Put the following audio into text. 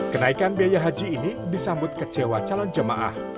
kenaikan biaya haji ini disambut kecewa calon jemaah